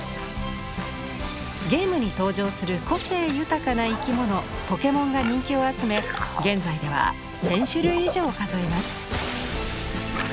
ゲームに登場する個性豊かな生き物ポケモンが人気を集め現在では１，０００種類以上を数えます。